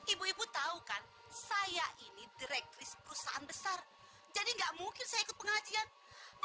ibu ibu tahu kan saya ini direkris perusahaan besar jadi nggak mungkin saya ikut pengajian